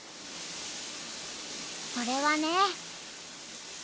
それはね。